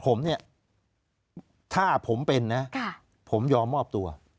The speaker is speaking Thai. ผมเนี่ยถ้าผมเป็นนะผมยอมมอบตัว